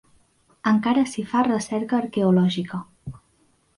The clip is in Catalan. Encara s'hi fa recerca arqueològica.